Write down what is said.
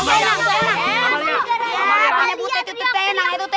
emang semangat tuh kagak cukup